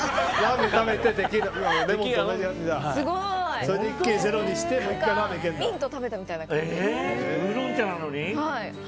ミント食べたような感じ！